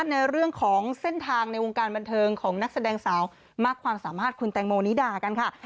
ในเรื่องของเส้นทางในวงการบันเทิงของนักแสดงสาวมากความสามารถคุณแตงโมนิดากันค่ะ